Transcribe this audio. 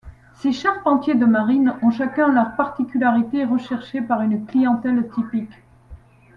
Ces charpentiers de marine ont chacun leur particularité recherchée par une clientèle typique.